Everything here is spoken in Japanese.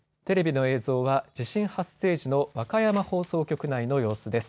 テレビの映像は地震発生時の和歌山放送局内の様子です。